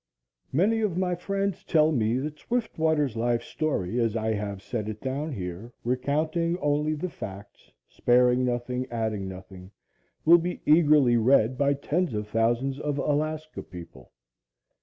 Many of my friends tell me that Swiftwater's life story, as I have set it down here, recounting only the facts, sparing nothing, adding nothing, will be eagerly read by tens of thousands of Alaska people.